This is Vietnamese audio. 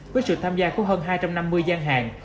với sự tham gia của hơn hai trăm năm mươi gian hàng